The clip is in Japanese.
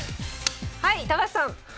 はい高橋さん！